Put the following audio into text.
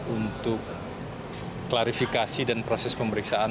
untuk klarifikasi dan proses pemeriksaan